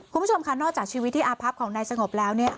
คุณผู้ชมค่ะนอกจากชีวิตที่อาพับของนายสงบแล้วเนี่ย